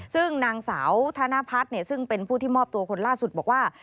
ซึ่งนางสาวธนพัฒน์ซึ่งเป็นผู้ที่มอบตัวคนล่าสุดบอกว่า